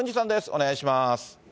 お願いします。